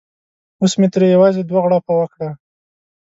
اوس مې ترې یوازې دوه غړپه وکړه.